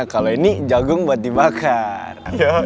kalau ini jagung buat dibakar